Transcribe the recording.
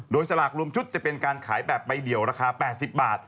โดยสลากรวมชุดจะเป็นการขายแบบใบเดียวราคา๘๐บาท